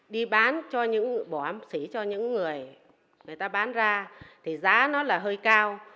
đi bán cho những bỏ sĩ cho những người người ta bán ra thì giá nó là hơi cao